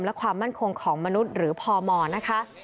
และความมั่นคงของมนุษย์หรือพมนะคะ